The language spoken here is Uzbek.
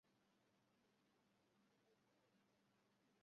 Vaksina qabul qilish uchun qaerga murojaat qilish mumkin?